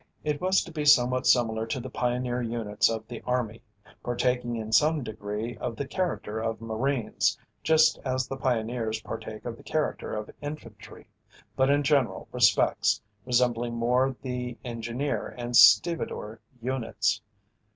It was to be somewhat similar to the Pioneer units of the army, partaking in some degree of the character of Marines, just as the Pioneers partake of the character of infantry, but in general respects resembling more the engineer and stevedore units.